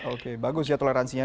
oke bagus ya toleransinya